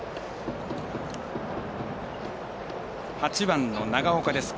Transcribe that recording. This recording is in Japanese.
８番の長岡です。